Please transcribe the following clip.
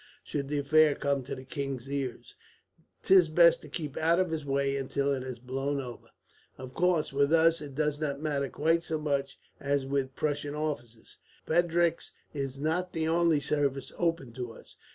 Should the affair come to the king's ears, 'tis best to keep out of his way until it has blown over. "Of course, with us it does not matter quite so much as with Prussian officers. Frederick's is not the only service open to us.